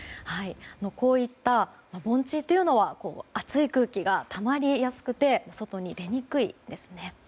こういった盆地というのは暑い空気がたまりやすくて外に出にくいんですね。